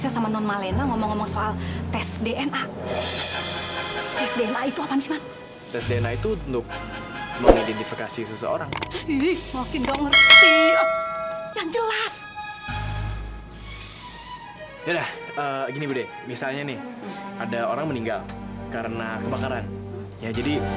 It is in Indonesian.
sampai jumpa di video selanjutnya